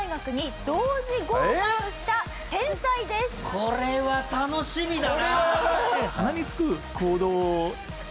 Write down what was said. これは楽しみだな！